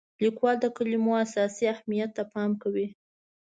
لیکوال د کلمو اساسي اهمیت ته پام کوي.